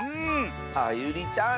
あゆりちゃん